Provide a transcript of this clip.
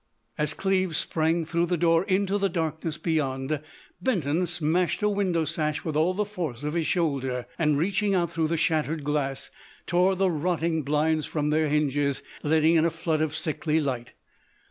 As Cleves sprang through the door into the darkness beyond, Benton smashed a window sash with all the force of his shoulder, and, reaching out through the shattered glass, tore the rotting blinds from their hinges, letting in a flood of sickly light.